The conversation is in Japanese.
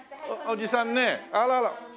おじさんねあらら。